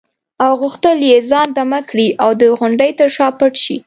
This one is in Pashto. او غوښتل یې ځان دمه کړي او د غونډې تر شا پټ شي.